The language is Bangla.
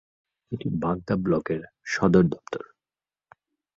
এটি বাগদা ব্লকের সদর দপ্তর।